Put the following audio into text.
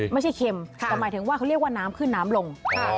ไม่ใช่เค็มก็หมายถึงว่าเขาเรียกว่าน้ำคือน้ำลง